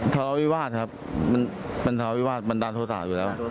ทะเลาะวิวาสครับมันทะเลาวิวาสบันดาลโทษะอยู่แล้ว